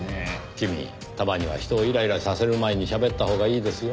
君たまには人をイライラさせる前にしゃべったほうがいいですよ。